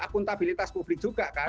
akuntabilitas publik juga kan